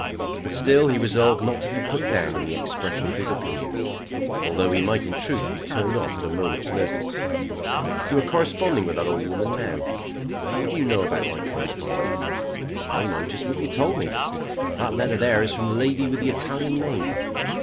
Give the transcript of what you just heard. But still he resolved not to be put down in the expression of his opinions, although he might in truth be turned off at a moment's notice. "You are corresponding with that old woman now?" "What do you know about my correspondence?" "I know just what you told me. That letter there is from the lady with the Italian name.